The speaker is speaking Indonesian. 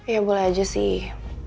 ya boleh aja sih